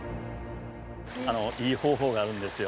あのいい方法があるんですよ。